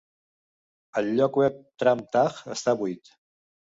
El lloc web Trump Taj està buit.